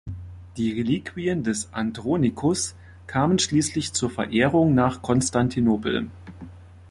Die Reliquien des Andronicus kamen schließlich zur Verehrung nach Konstantinopel.